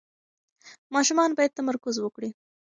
ماشومان باید تمرکز وکړي.